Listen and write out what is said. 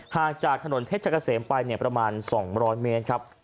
ห่างจากถนนเพชรกะเสมไปประมาณ๒๐๐เมตรครับ